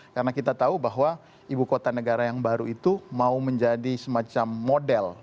karena kita tahu bahwa ibu kota negara yang baru itu mau menjadi semacam model